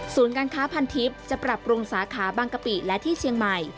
การค้าพันทิพย์จะปรับปรุงสาขาบางกะปิและที่เชียงใหม่